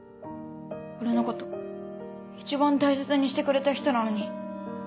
俺のこと一番大切にしてくれた人なのに。